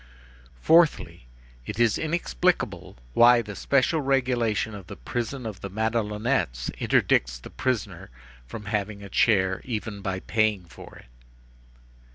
"Fourthly: it is inexplicable why the special regulation of the prison of the Madelonettes interdicts the prisoner from having a chair, even by paying for it.